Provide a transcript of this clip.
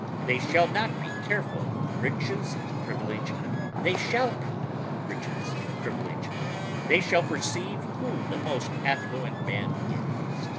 They shall not be careful of riches and privilege ... they shall be riches and privilege ... they shall perceive who the most affluent man is.